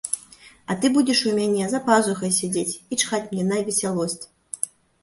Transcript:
А ты будзеш у мяне за пазухай сядзець і чхаць мне на весялосць.